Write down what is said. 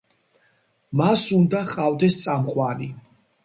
მას უნდა ჰყავდეს წამყვანი.